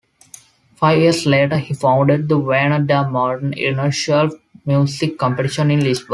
Five years later, he founded the Vianna da Motta International Music Competition in Lisbon.